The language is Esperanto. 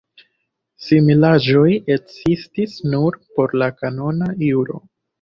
Similaĵoj ekzistis nur por la kanona juro.